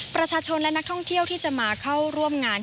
ประชาชนและนักท่องเที่ยวที่จะมาเข้าร่วมงาน